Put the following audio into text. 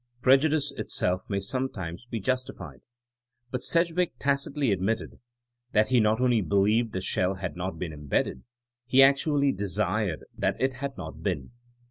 Prejudice itself may sometimes be justified. But Sedgwick tacitly admitted that he not only believed the shell had not been imbedded, he actually desired that it had not been.